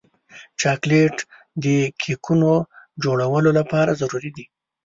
چاکلېټ د کیکونو جوړولو لپاره ضروري دی.